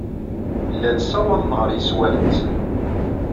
Llan ssawaḍen ɣer yeswan-nsen.